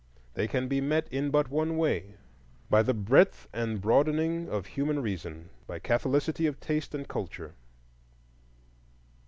They can be met in but one way,—by the breadth and broadening of human reason, by catholicity of taste and culture.